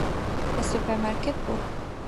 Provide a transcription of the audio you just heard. لە سوپەرمارکێت بوو.